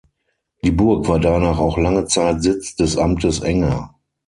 Die Burg war danach auch lange Zeit Sitz des Amtes Enger.